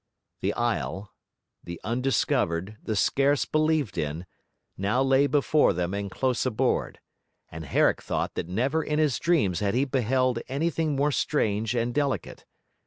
The isle the undiscovered, the scarce believed in now lay before them and close aboard; and Herrick thought that never in his dreams had he beheld anything more strange and delicate.